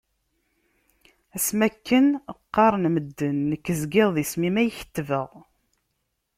Asmi akken qqaren medden, nekk zgiɣ d isem-im ay kettbeɣ.